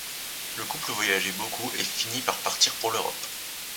Le couple voyageait beaucoup et finit par partir pour l'Europe.